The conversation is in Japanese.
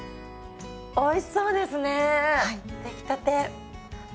おいしそうですね出来たて。